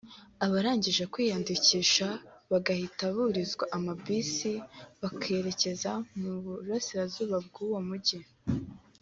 abarangije kwiyandikisha bagahita burizwa amabisi bakereza mu Burasirazuba bw’uwo mujyi